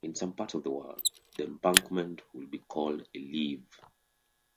In some parts of the world, the embankment would be called a levee.